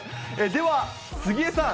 では、杉江さん。